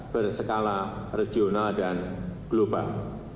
berskala regional dan global